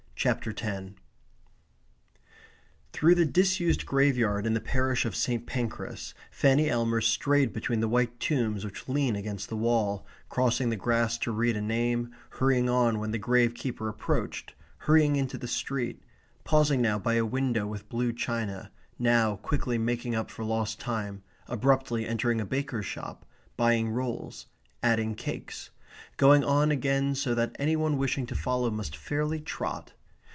CHAPTER TEN Through the disused graveyard in the parish of St. Pancras, Fanny Elmer strayed between the white tombs which lean against the wall, crossing the grass to read a name, hurrying on when the grave keeper approached, hurrying into the street, pausing now by a window with blue china, now quickly making up for lost time, abruptly entering a baker's shop, buying rolls, adding cakes, going on again so that any one wishing to follow must fairly trot.